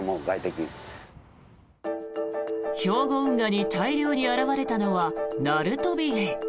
兵庫運河に大量に現れたのはナルトビエイ。